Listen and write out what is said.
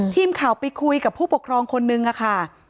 ทีมข่าวไปคุยกับผู้ปกครองคนนึงค่ะ